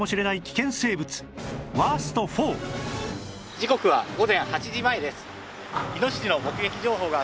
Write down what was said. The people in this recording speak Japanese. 時刻は午前８時前です。